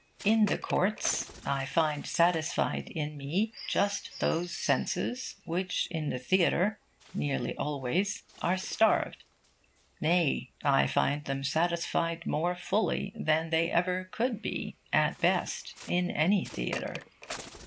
In the courts I find satisfied in me just those senses which in the theatre, nearly always, are starved. Nay, I find them satisfied more fully than they ever could be, at best, in any theatre.